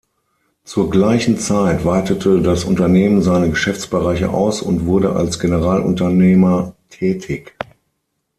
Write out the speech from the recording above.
Zur gleichen Zeit weitete das Unternehmen seine Geschäftsbereiche aus und wurde als Generalunternehmer tätig.